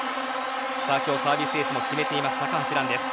今日、サービスエースも決めています、高橋藍です。